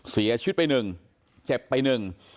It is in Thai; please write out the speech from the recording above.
เสียชีวิตไปหนึ่งเจ็บไปหนึ่ง